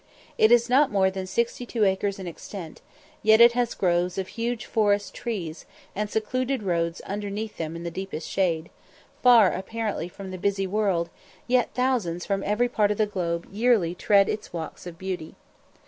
It is not more than sixty two acres in extent, yet it has groves of huge forest trees, and secluded roads underneath them in the deepest shade, far apparently from the busy world, yet thousands from every part of the globe yearly tread its walks of beauty.